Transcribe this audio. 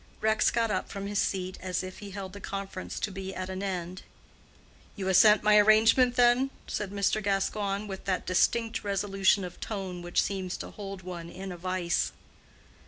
Rex got up from his seat, as if he held the conference to be at an end. "You assent to my arrangement, then?" said Mr. Gascoigne, with that distinct resolution of tone which seems to hold one in a vise.